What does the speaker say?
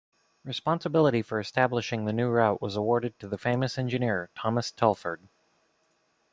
Responsibility for establishing the new route was awarded to the famous engineer, Thomas Telford.